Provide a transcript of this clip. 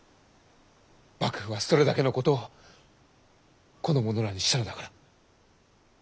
幕府はそれだけのことをこの者らにしたのだから！